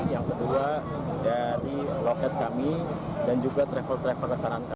yang kedua dari loket kami dan juga travel travel rekanan kami